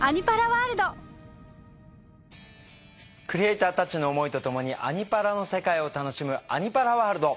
クリエーターたちの思いとともに「アニ×パラ」の世界を楽しむ「アニ×パラワールド」。